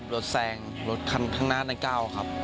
รถแสงทางหน้า